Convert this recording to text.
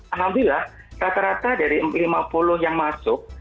alhamdulillah rata rata dari lima puluh yang masuk